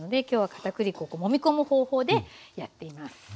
今日はかたくり粉もみ込む方法でやっています。